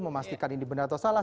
memastikan ini benar atau salah